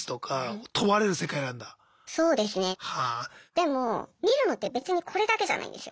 でも見るのって別にこれだけじゃないんですよ。